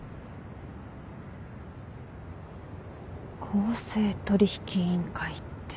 公正取引委員会って。